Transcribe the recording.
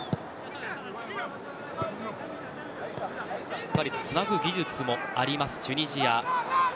しっかりつなぐ技術もあるチュニジア。